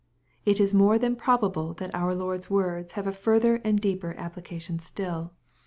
It is more than probable that our Lord's words have a further and deeper application still.